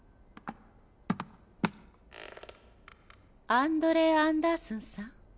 アンドレ・アンダースンさん？